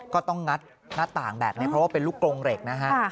ก็ต้องงัดหน้าต่างแบบนี้เพราะว่าเป็นลูกกรงเหล็กนะฮะ